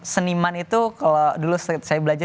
seniman itu kalau dulu saya belajar